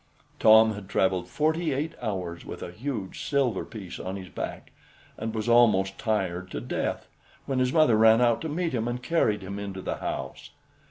Tom had traveled forty eight hours with a huge silver piece on his back, and was almost tired to death, when his mother ran out to meet him, and carried him into the house.